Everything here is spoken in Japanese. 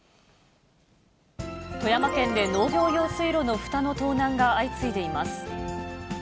富山県で農業用水路のふたの盗難が相次いでいます。